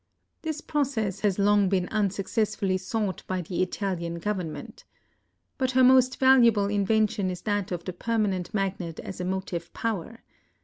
This process had long been unsuccessfully sought by the Italian Government. But her most valuable invention is that of the permanent magnet as a motive power.